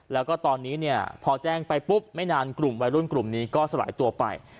แล้วก็ตอนนี้เนี่ยพอแจ้งไปปุ๊บไม่นานกลุ่มวัยรุ่นกลุ่มนี้ก็สลายตัวไป